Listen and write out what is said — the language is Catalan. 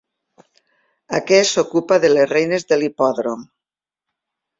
Aquest s'ocupa de les reines de l'hipòdrom.